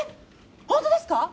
本当ですか？